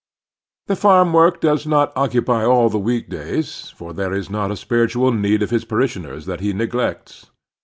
The farm work does not occupy all of the week days, for there is not a spiritual need of his parishioners that he neglects.